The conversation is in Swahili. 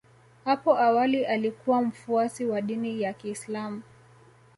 Apo awali alikuwa mfuasi wa dini ya Kiislam